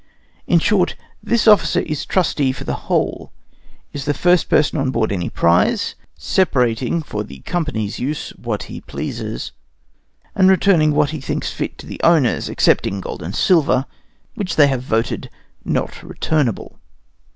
In short, this officer is trustee for the whole, is the first on board any prize, separating for the company's use what he pleases, and returning what he thinks fit to the owners, excepting gold and silver, which they have voted not returnable.